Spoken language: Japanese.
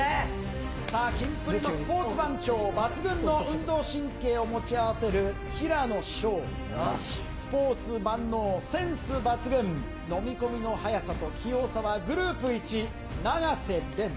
さあ、キンプリのスポーツ番長、抜群の運動神経を持ち合わせる平野紫耀、スポーツ万能、センス抜群、飲み込みの早さと器用さはグループ一、永瀬廉。